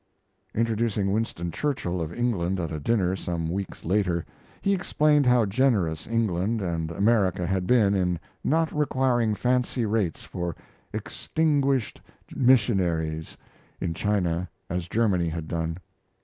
Introducing Winston Churchill, of England, at a dinner some weeks later, he explained how generous England and America had been in not requiring fancy rates for "extinguished missionaries" in China as Germany had done.